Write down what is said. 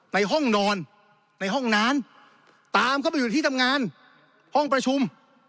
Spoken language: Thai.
ในห้องนอนในห้องน้ำตามเข้าไปอยู่ที่ทำงานห้องประชุม